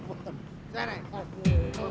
ke duluan dong